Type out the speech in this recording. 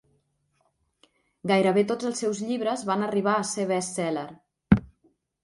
Gairebé tots els seus llibres van arribar a ser best-seller.